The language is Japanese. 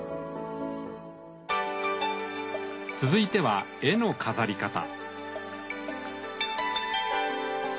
続いては絵の飾り方。